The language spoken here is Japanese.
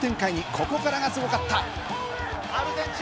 ここからがすごかった。